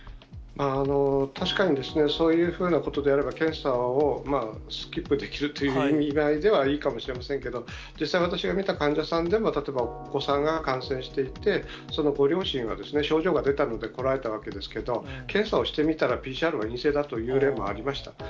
確かにそういうふうなことであれば、検査をスキップできるという意味合いではいいかもしれませんけれども、実際私が診た患者さんでも、お子さんが感染していて、そのご両親が症状が出たので来られたわけですけれども、検査をしてみたらＰＣＲは陰性だという例がありました。